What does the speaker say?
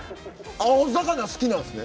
青魚好きなんですね。